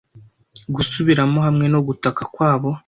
gusubiramo hamwe no gutaka kwabo